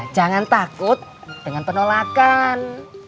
jangan takut dengan penolakan